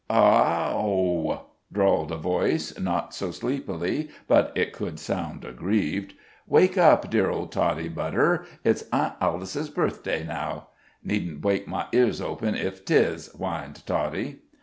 "Ah h h ow!" drawled a voice, not so sleepily but it could sound aggrieved. "Wake up, dear old Toddie, budder it's Aunt Alice's birthday now." "Needn't bweak my earzh open, if 'tis, whined Toddie."